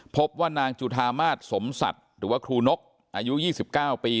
พบว่านางจุธามาสสมสัตว์หรือว่าครูนกอายุยี่สิบเก้าปี